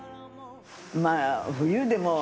まあ、冬でも。